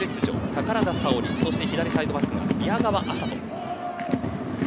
宝田沙織、そして左サイドバックは宮川麻都。